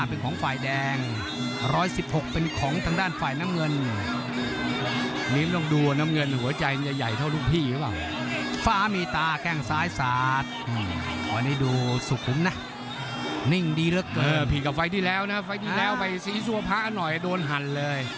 เออผิดกับไฟที่แล้วนะไฟที่แล้วไปสีสัวพะหน่อยโดนหันเลย